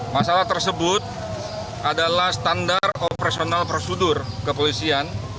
masalah tersebut adalah standar operasional prosedur kepolisian